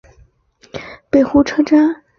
唯一例外是站房设于轨道下方之北湖车站。